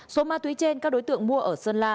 số ma túy trên các đối tượng mua ở sơn la